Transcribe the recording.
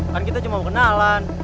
kan kita cuma kenalan